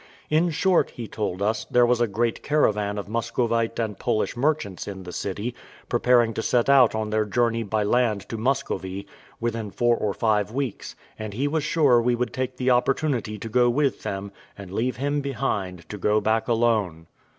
In short, he told us there was a great caravan of Muscovite and Polish merchants in the city, preparing to set out on their journey by land to Muscovy, within four or five weeks; and he was sure we would take the opportunity to go with them, and leave him behind, to go back alone.